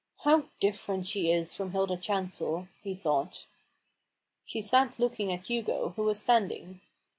"How different she is from Hilda Chancel," he thought. She sat looking at Hugo, who was standing.